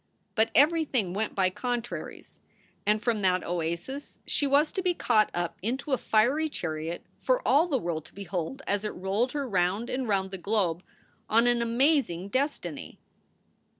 But everything went by contraries, and from that oasis she was to be caught up into a fiery chariot, for all the world to behold as it rolled her round and round the globe on an amazing destiny.